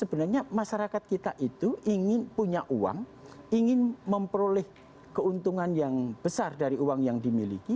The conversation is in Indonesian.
sebenarnya masyarakat kita itu ingin punya uang ingin memperoleh keuntungan yang besar dari uang yang dimiliki